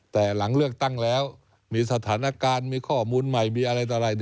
แต่หลังเลือกตั้งแล้วมีสถานการณ์มีข้อมูลใหม่มีอะไรต่ออะไร